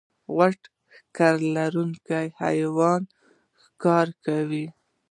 غټ ښکر لرونکی حیوان یې ښکار کړ.